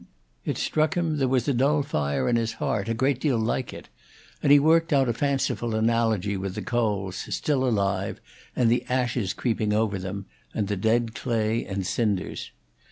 It struck him there was a dull fire in his heart a great deal like it; and he worked out a fanciful analogy with the coals, still alive, and the ashes creeping over them, and the dead clay and cinders.